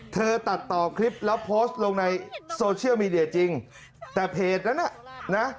ตัดต่อคลิปแล้วโพสต์ลงในโซเชียลมีเดียจริงแต่เพจนั้นน่ะนะ